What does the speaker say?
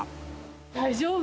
大丈夫？